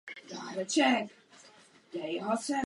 Jsou střední velikosti s malým počtem krátkých výběžků.